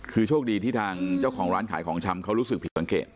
คือโชคดีที่ทางเจ้าของร้านขายของชำเขารู้สึกผิดสังเกต